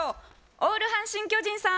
オール阪神・巨人さん。